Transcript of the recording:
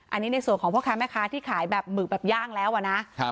อันนี้ในส่วนของพ่อค้าแม่ค้าที่ขายแบบหมึกแบบย่างแล้วอะนะ